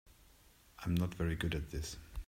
I'm not very good at this.